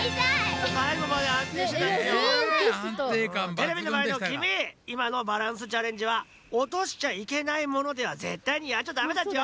テレビのまえのきみいまのバランスチャレンジはおとしちゃいけないものではぜったいにやっちゃダメだっちよ。